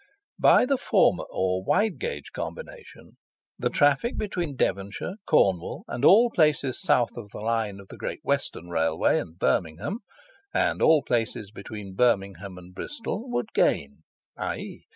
By the former or wide gauge combination, the traffic between Devonshire, Cornwall and all places south of the line of the Great Western Railway, and Birmingham, and all places between Birmingham and Bristol, would gain, _i.e.